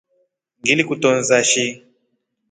Ngilikutoonza shi.